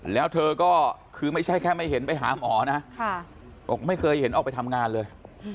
แล้วเธอก็คือไม่ใช่แค่ไม่เห็นไปหาหมอนะบอกไม่เคยเห็นออกไปทำงานเลย